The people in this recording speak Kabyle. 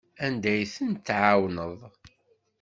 Anda ay tent-tɛawneḍ?